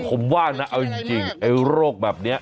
ผมว่านะเอาจริงไอ้โรคแบบนี้